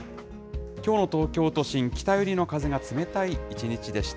きょうの東京都心、北寄りの風が冷たい一日でした。